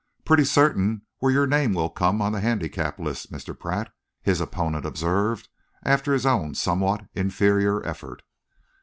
"Pretty certain where your name will come on the handicap list, Mr. Pratt," his opponent observed, after his own somewhat inferior effort.